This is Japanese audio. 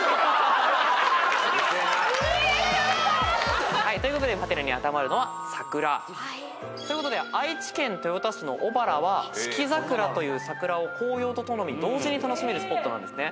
・うるせえな。ということで「？」に当てはまるのは桜。ということで愛知県豊田市の小原は四季桜という桜を紅葉とともに同時に楽しめるスポットなんです。